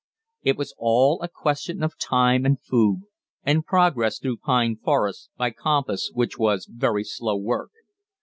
It was all a question of time and food, and progress through pine forests by compass was very slow work.